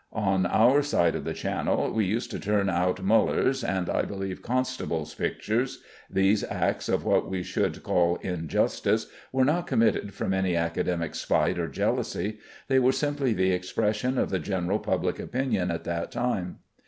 On our side of the Channel we used to turn out Muller's, and, I believe, Constable's pictures. These acts of what we should call injustice were not committed from any Academic spite or jealousy. They were simply the expression of the general public opinion at that time.